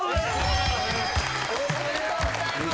おめでとうございます。